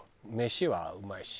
飯はうまいし。